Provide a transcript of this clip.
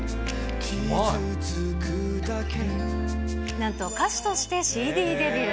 なんと、歌手としてＣＤデビュー。